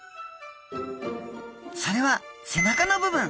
それは背中の部分！